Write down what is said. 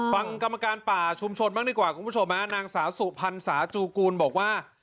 ฟังกรรมการป่าชุมชนมากดีกว่านางสาสุพันธ์สาจูกูลบอกว่า